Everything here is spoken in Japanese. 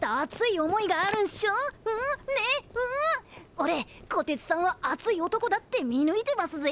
おれこてつさんは熱い男だって見抜いてますぜ。